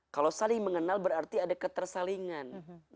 kalau saling mengenal berarti ada ketersalingan